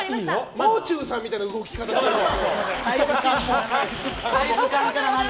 もう中さんみたいな動きしてる。